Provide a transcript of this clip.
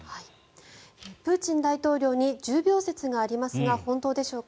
プーチン大統領に重病説がありますが本当でしょうか。